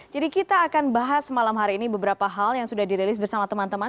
jadi kita akan bahas malam hari ini beberapa hal yang sudah dirilis bersama teman teman